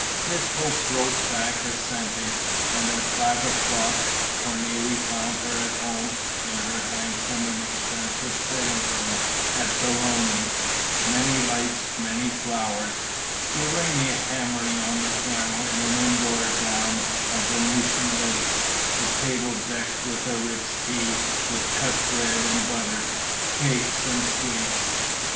Miss Hope wrote back assenting; and at five o'clock Cornélie found her at home in her handsome and expensive sitting room at Belloni's: many lights, many flowers; Urania hammering on the piano in an indoor gown of Venetian lace; the table decked with a rich tea, with cut bread and butter, cakes and sweets.